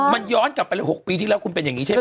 มันย้อนไป๖ปีที่แล้วมันจะเป็นอย่างนี้ใช่ไหม